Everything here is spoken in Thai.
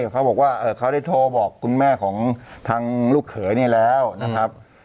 เขาบอกว่าเขาได้โทรบอกคุณแม่ของทางลูกเขยนี่แล้วนะครับ